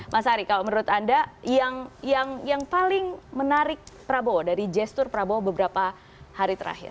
mas ari kalau menurut anda yang paling menarik prabowo dari gestur prabowo beberapa hari terakhir